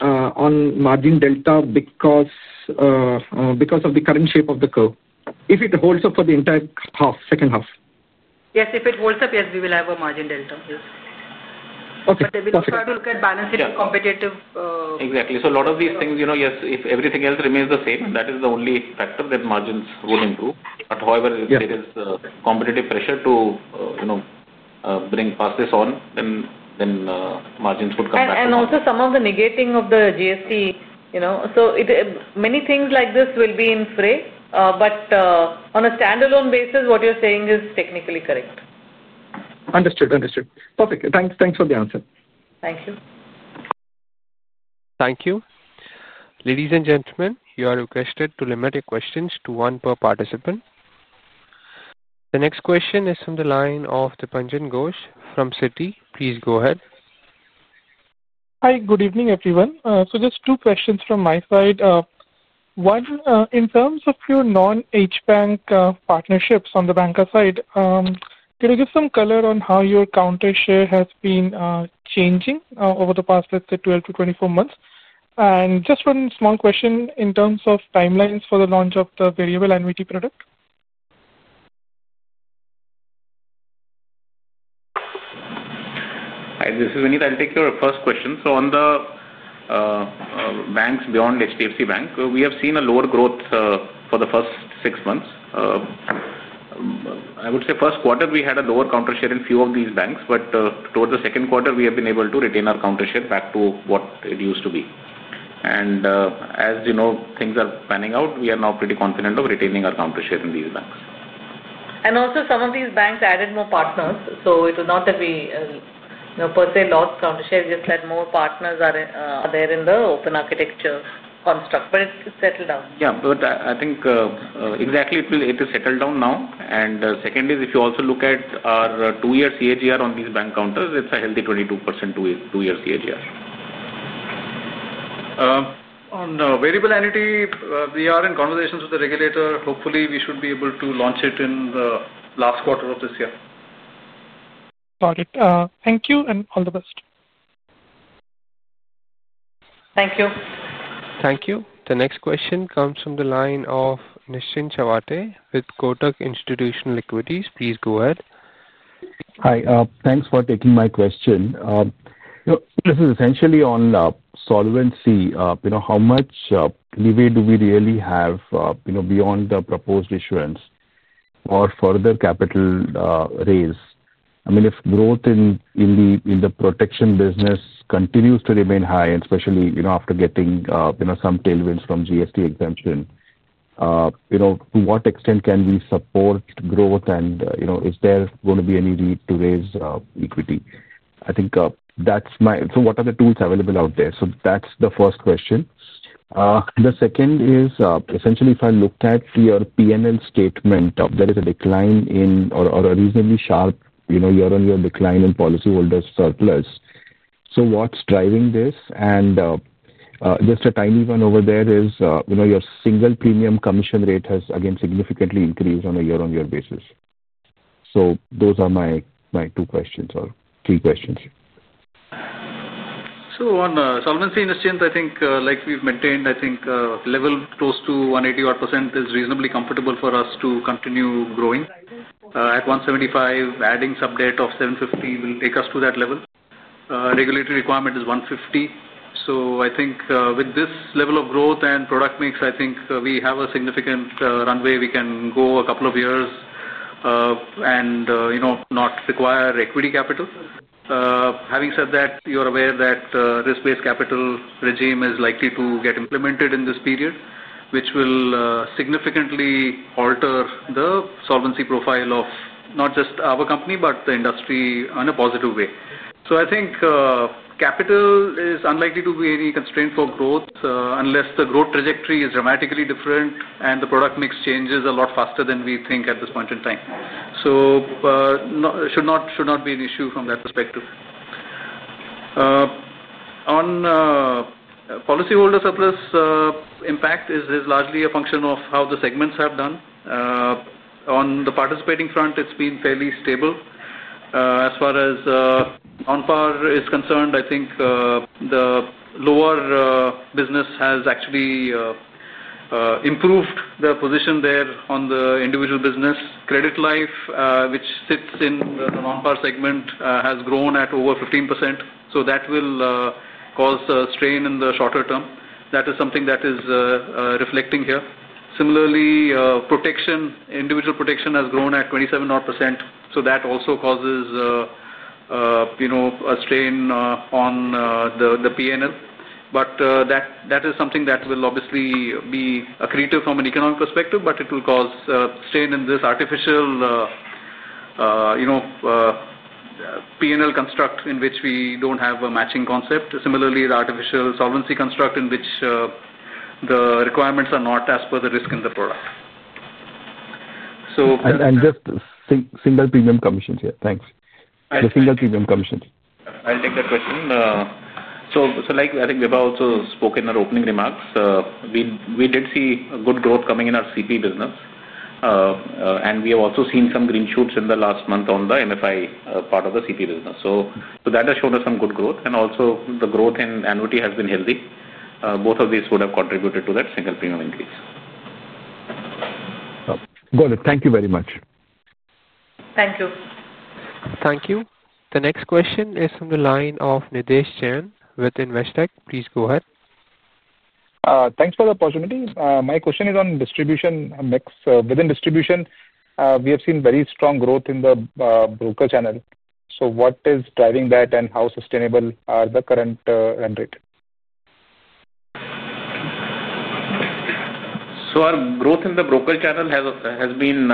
on margin delta because of the current shape of the curve if it holds up for the entire second half?
Yes, if it holds up, yes, we will have a margin delta. Yes.
Okay.
We will start to look at balance if competitive.
Exactly. A lot of these things, you know, yes, if everything else remains the same, that is the only factor that margins would improve. However, if there is competitive pressure to, you know, bring fastest on, then margins would come back.
Some of the negating of the GST, you know, so many things like this will be in fray. On a standalone basis, what you're saying is technically correct.
Understood. Understood. Perfect. Thanks. Thanks for the answer.
Thank you.
Thank you. Ladies and gentlemen, you are requested to limit your questions to one per participant. The next question is from the line of Dipanjan Ghosh from Citi. Please go ahead.
Hi. Good evening, everyone. Just two questions from my side. One, in terms of your non-HDFC Bank partnerships on the bancassurance side, can you give some color on how your counter share has been changing over the past, let's say, 12 months-24 months? Just one small question in terms of timelines for the launch of the variable NVT product.
Hi. This is Vinay. I'll take your first question. On the banks beyond HDFC Bank, we have seen a lower growth for the first six months. I would say first quarter, we had a lower counter share in a few of these banks. Towards the second quarter, we have been able to retain our counter share back to what it used to be. As you know, things are panning out. We are now pretty confident of retaining our counter share in these banks.
Some of these banks added more partners. It was not that we, you know, per se lost counter share. We just had more partners there in the open architecture construct. It's settled down.
I think exactly it is settled down now. If you also look at our two-year CAGR on these bank counters, it's a healthy 22% two-year CAGR.
On the variable NVT, we are in conversations with the regulator. Hopefully, we should be able to launch it in the last quarter of this year.
Got it. Thank you and all the best.
Thank you.
Thank you. The next question comes from the line of Nischint Chawathe with Kotak Institutional Equities. Please go ahead.
Hi. Thanks for taking my question. This is essentially on solvency. How much leeway do we really have beyond the proposed assurance or further capital raise? I mean, if growth in the protection business continues to remain high, especially after getting some tailwinds from GST exemption, to what extent can we support growth? Is there going to be any need to raise equity? I think that's my, so what are the tools available out there? That's the first question. The second is, essentially, if I looked at your P&L statement, there is a decline in or a reasonably sharp year-on-year decline in policyholders' surplus. What's driving this? Just a tiny one over there is, your single premium commission rate has, again, significantly increased on a year-on-year basis. Those are my two questions or three questions.
On the solvency initiative, like we've maintained, I think a level close to 180% is reasonably comfortable for us to continue growing. At 175%, adding sub debt of 750 million will take us to that level. The regulatory requirement is 150%. With this level of growth and product mix, we have a significant runway. We can go a couple of years and not require equity capital. Having said that, you're aware that the risk-based capital regime is likely to get implemented in this period, which will significantly alter the solvency profile of not just our company, but the industry in a positive way. Capital is unlikely to be any constraint for growth unless the growth trajectory is dramatically different and the product mix changes a lot faster than we think at this point in time. It should not be an issue from that perspective. On policyholder surplus impact, it is largely a function of how the segments have done. On the participating front, it's been fairly stable. As far as non-PAR savings is concerned, the lower business has actually improved the position there on the individual business. Credit life, which sits in the non-PAR segment, has grown at over 15%. That will cause a strain in the shorter term. That is something that is reflecting here. Similarly, individual protection has grown at 27%. That also causes a strain on the P&L. That is something that will obviously be accretive from an economic perspective, but it will cause strain in this artificial P&L construct in which we don't have a matching concept. Similarly, the artificial solvency construct in which the requirements are not as per the risk in the product.
Single premium commissions here. Thanks. The single premium commission.
I'll take that question. Like I think Vibha also spoke in her opening remarks, we did see a good growth coming in our CP business. We have also seen some green shoots in the last month on the MFI part of the CP business. That has shown us some good growth. Also, the growth in annuity has been healthy. Both of these would have contributed to that single premium increase.
Got it. Thank you very much.
Thank you.
Thank you. The next question is from the line of Nidesh Chen with Investec. Please go ahead.
Thanks for the opportunity. My question is on distribution mix. Within distribution, we have seen very strong growth in the broker channel. What is driving that and how sustainable are the current end rate?
Our growth in the broker channel has been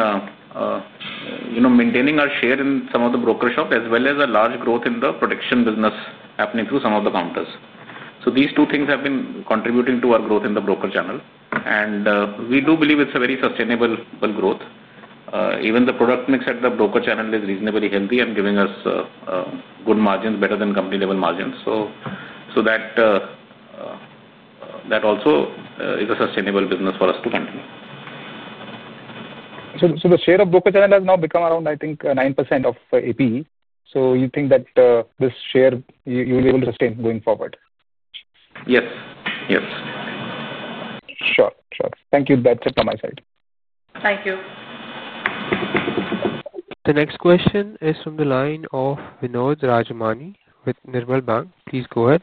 maintaining our share in some of the broker shops, as well as a large growth in the protection business happening through some of the counters. These two things have been contributing to our growth in the broker channel. We do believe it's a very sustainable growth. Even the product mix at the broker channel is reasonably healthy and giving us good margins, better than company-level margins. That also is a sustainable business for us to continue.
The share of broker channel has now become around, I think, 9% of APE. Do you think that this share you will be able to sustain going forward?
Yes. Yes.
Sure. Sure. Thank you. That's it from my side.
Thank you.
The next question is from the line of Vinod Rajamani with Nirvana Bank. Please go ahead.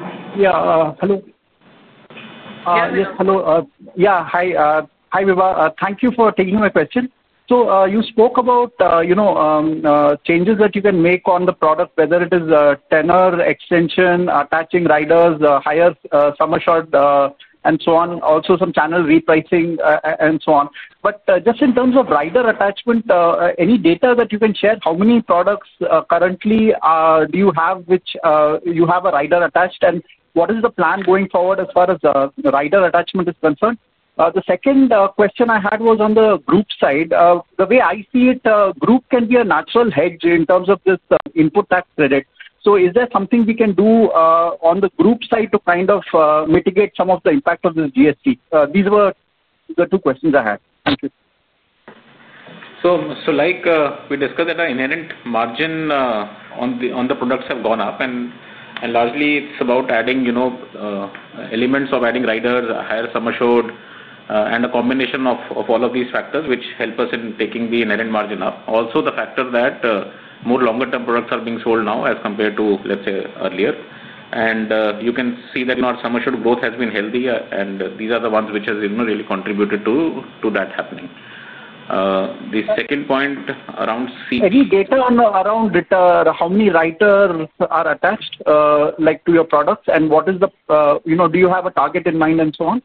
Hello. Hi, Vibha. Thank you for taking my question. You spoke about changes that you can make on the product, whether it is tenor extension, attaching riders, higher sum assured, and so on. Also, some channel repricing and so on. Just in terms of rider attachment, any data that you can share? How many products currently do you have which you have a rider attached? What is the plan going forward as far as the rider attachment is concerned? The second question I had was on the group side. The way I see it, group can be a natural hedge in terms of this input tax credit. Is there something we can do on the group side to kind of mitigate some of the impact of this GST? These were the two questions I had. Thank you.
Like we discussed, inherent margin on the products have gone up. Largely, it's about adding elements of adding riders, a higher sum assured, and a combination of all of these factors, which help us in taking the inherent margin up. Also, the factor that more longer-term products are being sold now as compared to, let's say, earlier. You can see that our sum assured growth has been healthy, and these are the ones which have really contributed to that happening. The second point around C.
Any data around how many riders are attached to your products? Do you have a target in mind and so on?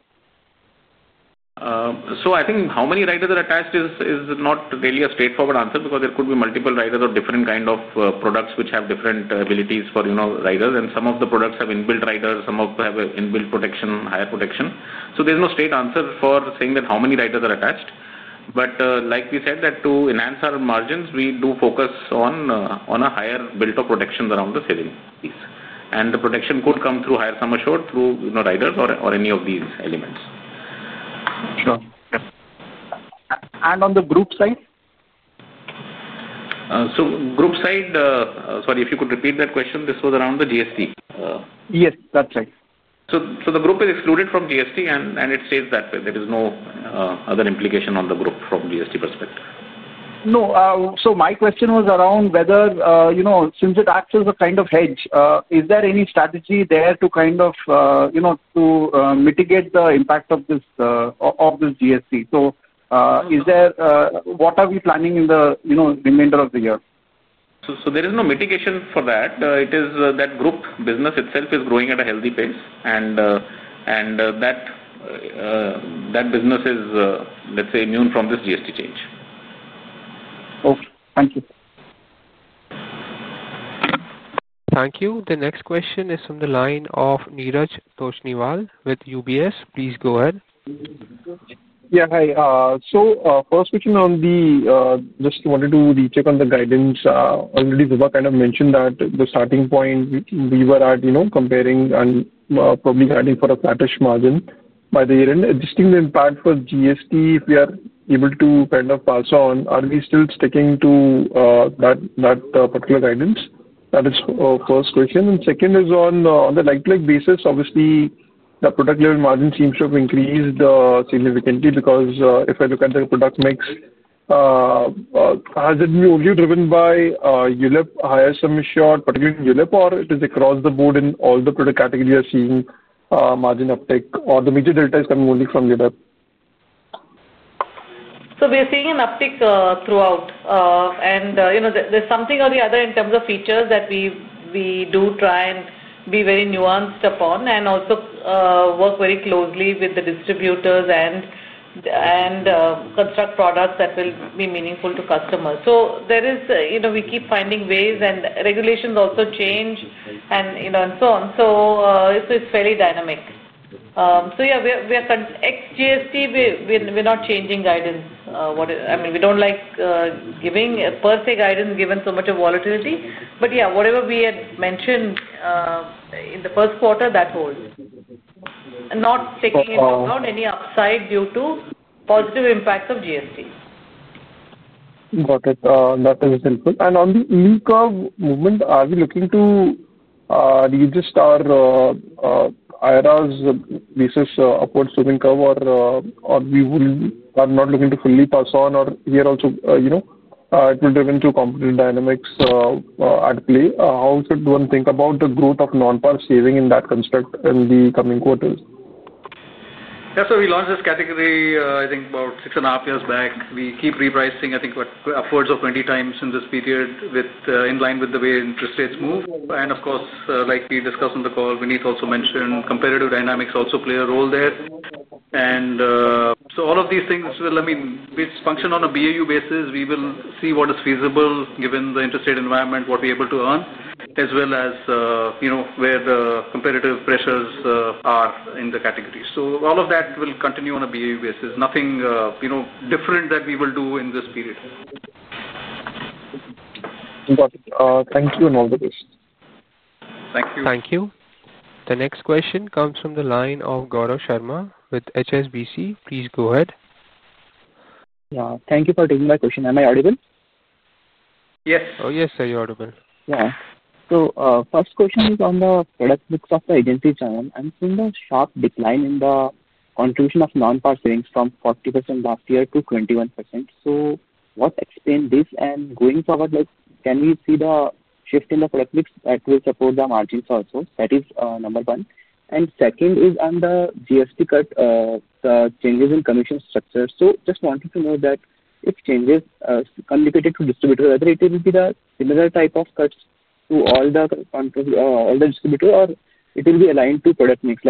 I think how many riders are attached is not really a straightforward answer because there could be multiple riders or different kinds of products which have different abilities for riders. Some of the products have inbuilt riders, some of them have inbuilt protection, higher protection. There is no straight answer for saying that how many riders are attached. Like we said, to enhance our margins, we do focus on a higher build of protection around the saving piece. The protection could come through higher sum assured, through riders, or any of these elements.
Sure. On the group side?
The group side, sorry, if you could repeat that question, this was around the GST.
Yes, that's right.
The group is excluded from GST, and it stays that way. There is no other implication on the group from a GST perspective.
My question was around whether, since it acts as a kind of hedge, is there any strategy there to mitigate the impact of this GST? Is there, what are we planning in the remainder of the year?
There is no mitigation for that. It is that group business itself is growing at a healthy pace, and that business is, let's say, immune from this GST change.
Okay, thank you.
Thank you. The next question is from the line of Neeraj Toshniwal with UBS. Please go ahead.
Hi. First question on the, just wanted to recheck on the guidance. Vibha kind of mentioned that the starting point we were at, you know, comparing and probably heading for a flattish margin by the year end. Distinct impact for GST, if we are able to kind of pass on, are we still sticking to that particular guidance? That is our first question. Second is on the leg-to-leg basis. Obviously, the product-level margin seems to have increased significantly because if I look at the product mix, has it been only driven by ULIP, higher sum assured, particularly in ULIP, or is it across the board in all the product categories seeing margin uptake? Or the major delta is coming only from ULIP?
We are seeing an uptake throughout. There is something or the other in terms of features that we do try and be very nuanced upon and also work very closely with the distributors and construct products that will be meaningful to customers. We keep finding ways, and regulations also change and so on. It is fairly dynamic. We are X GST, we're not changing guidance. I mean, we don't like giving per se guidance given so much of volatility. Whatever we had mentioned in the first quarter, that holds. Not taking into account any upside due to positive impacts of GST.
Got it. That is helpful. On the EU curve movement, are we looking to, do you just assess IRRs versus upward sloping curve or are we not looking to fully pass on, or here also, you know, it will be driven by competitive dynamics at play? How should one think about the growth of non-PAR savings in that construct in the coming quarters?
Yeah. We launched this category, I think, about six and a half years back. We keep repricing, I think, upwards of 20x in this period in line with the way interest rates move. Of course, like we discussed on the call, we need to also mention competitive dynamics also play a role there. All of these things, which function on a BAU basis, we will see what is feasible given the interest rate environment, what we're able to earn, as well as, you know, where the competitive pressures are in the categories. All of that will continue on a BAU basis. Nothing different that we will do in this period.
Got it. Thank you and all the best.
Thank you.
Thank you. The next question comes from the line of Gaurav Sharma with HSBC. Please go ahead.
Thank you for taking my question. Am I audible?
Yes.
Oh, yes, sir, you're audible.
Yeah. First question is on the product mix of the agency channel. I'm seeing a sharp decline in the contribution of non-PAR savings from 40% last year to 21%. What explains this? Going forward, can we see the shift in the product mix that will support the margins also? That is number one. Second is on the GST cut, the changes in commission structure. I just wanted to know that if changes are communicated to distributors, whether it will be the similar type of cuts to all the distributors or it will be aligned to product mix.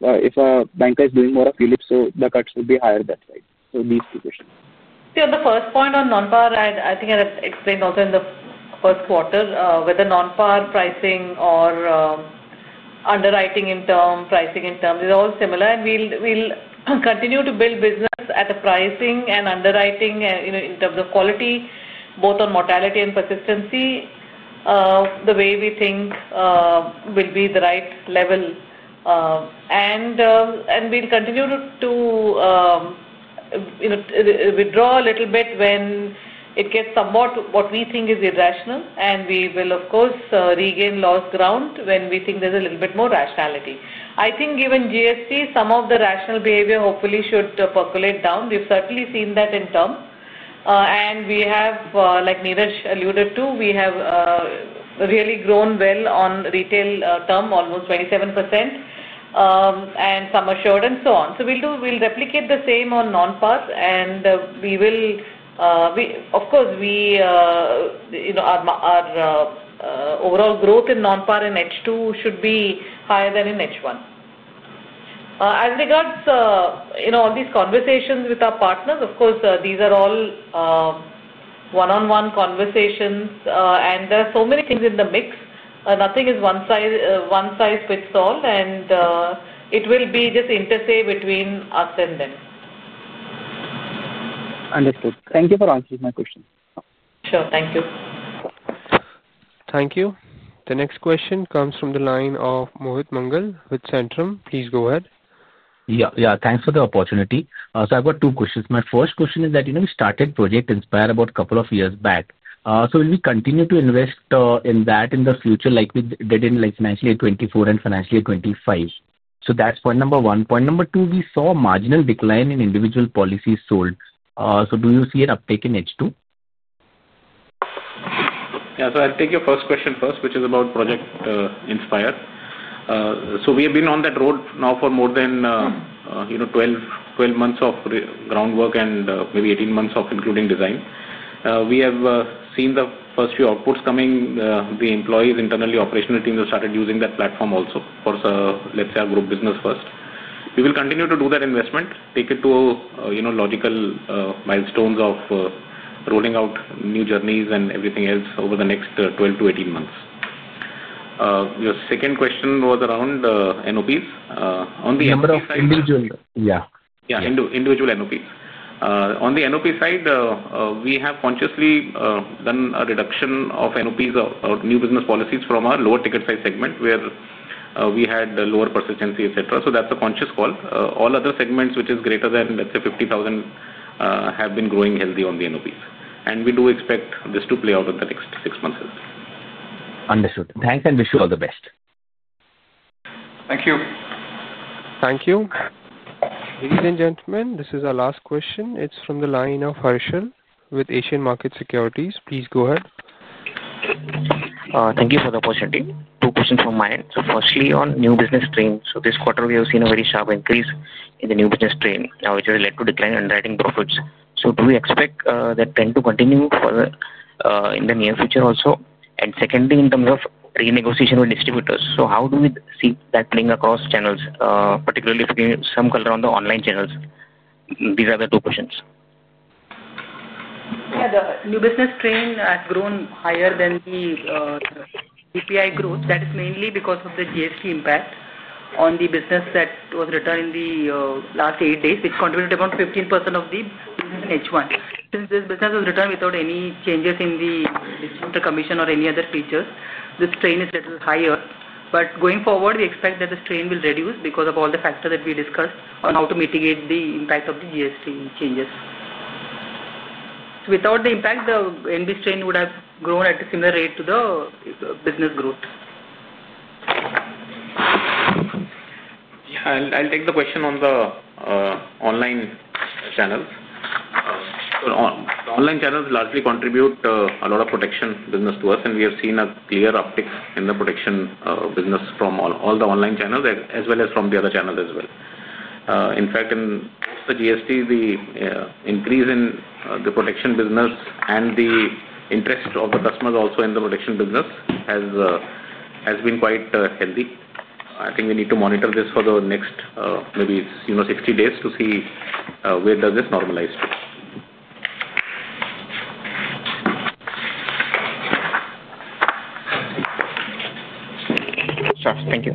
If a banker is doing more of ULIPs, the cuts would be higher that way. These two questions.
The first point on non-PAR, I think I explained also in the first quarter, whether non-PAR pricing or underwriting in terms, pricing in terms, is all similar. We'll continue to build business at the pricing and underwriting in terms of quality, both on mortality and persistency, the way we think will be the right level. We'll continue to withdraw a little bit when it gets somewhat what we think is irrational. We will, of course, regain lost ground when we think there's a little bit more rationality. I think given GST, some of the rational behavior hopefully should percolate down. We've certainly seen that in term. We have, like Niraj alluded to, really grown well on retail term, almost 27%, and sum assured and so on. We'll replicate the same on non-PAR. Our overall growth in non-PAR in H2 should be higher than in H1. As regards all these conversations with our partners, these are all one-on-one conversations. There are so many things in the mix. Nothing is one-size-fits-all. It will be just inter se between us and them.
Understood. Thank you for answering my question.
Sure. Thank you.
Thank you. The next question comes from the line of Mohit Mangal with Centrum. Please go ahead.
Yeah. Yeah. Thanks for the opportunity. I've got two questions. My first question is that, you know, we started Project Inspire about a couple of years back. Will we continue to invest in that in the future like we did in 2019 and 2024 and financial year 2025? That's point number one. Point number two, we saw a marginal decline in individual policies sold. Do you see an uptake in H2?
Yeah. I'll take your first question first, which is about Project Inspire. We have been on that road now for more than, you know, 12 months of groundwork and maybe 18 months including design. We have seen the first few outputs coming. The employees internally, operational teams have started using that platform also, of course, let's say our group business first. We will continue to do that investment, take it to, you know, logical milestones of rolling out new journeys and everything else over the next 12 months-18 months. Your second question was around NOPs. On the NOP side.
Individual. Yeah.
Yeah. Individual NOPs. On the NOP side, we have consciously done a reduction of NOPs or new business policies from our lower ticket size segment where we had lower persistency, etc. That's a conscious call. All other segments which are greater than 50,000 have been growing healthy on the NOPs. We do expect this to play out in the next six months as well.
Understood. Thanks and wish you all the best.
Thank you.
Thank you. Ladies and gentlemen, this is our last question. It's from the line of Harshal with Asian Market Securities. Please go ahead.
Thank you for the opportunity. Two questions from my end. Firstly, on new business streams, this quarter we have seen a very sharp increase in the new business stream, which has led to decline in underwriting profits. Do we expect that trend to continue further in the near future also? Secondly, in terms of renegotiation with distributors, how do we see that playing across channels, particularly if we see some color on the online channels? These are the two questions.
Yeah. The new business stream has grown higher than the BPI growth. That is mainly because of the GST impact on the business that was written in the last eight days, which contributed about 15% of the business in H1. Since this business was written without any changes in the distributor commission or any other features, this stream is a little higher. Going forward, we expect that the stream will reduce because of all the factors that we discussed on how to mitigate the impact of the GST changes. Without the impact, the NB stream would have grown at a similar rate to the business growth.
Yeah. I'll take the question on the online channels. The online channels largely contribute a lot of protection business to us. We have seen a clear uptick in the protection business from all the online channels, as well as from the other channels as well. In fact, in most of the GST, the increase. In the protection business, and the interest of the customers also in the protection business has been quite healthy. I think we need to monitor this for the next, maybe 60 days, to see where does this normalize.
Sure. Thank you.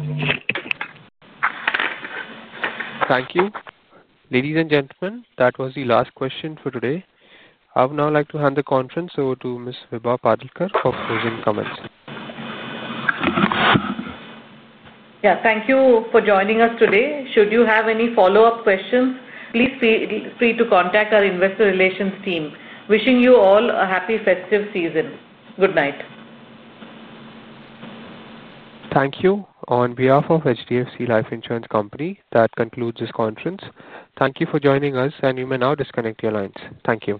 Thank you. Ladies and gentlemen, that was the last question for today. I would now like to hand the conference over to Ms. Vibha Padalkar for closing comments.
Yeah, thank you for joining us today. Should you have any follow-up questions, please feel free to contact our Investor Relations team. Wishing you all a happy festive season. Good night.
Thank you. On behalf of HDFC Life Insurance Company, that concludes this conference. Thank you for joining us, and you may now disconnect your lines. Thank you.